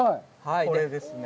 これですね。